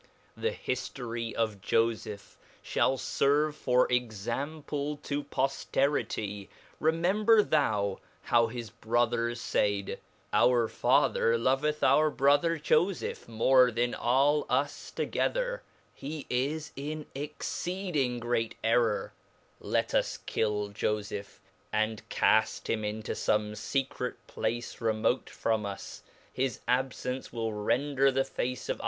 TheHiftory of f of eph fliall ferve for example to pofte rity ; remember thou, how his brothers faid, our father loveth our brother fofeph more then all us together, he is in an excee ding great error, let us kill fofeph, and cafl: him into fome fe cret place remote from us, his abfence will render the face of our 144 The Alcoran of Mahomet. Chap.xi.